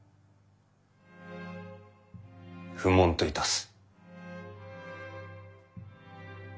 不問といたす。